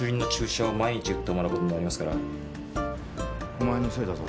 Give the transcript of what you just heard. お前のせいだぞ。